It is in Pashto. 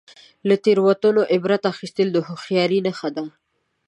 • له تیروتنو عبرت اخیستل د هوښیارۍ نښه ده.